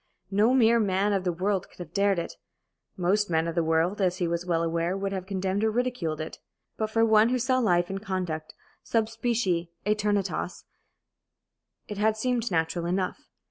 No mere man of the world could have dared it; most men of the world, as he was well aware, would have condemned or ridiculed it. But for one who saw life and conduct sub specie æternitatis it had seemed natural enough.